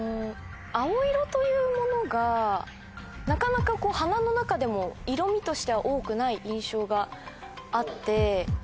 青色というものがなかなか花の中でも色みとしては多くない印象があって。